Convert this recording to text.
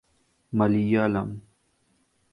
Malayalam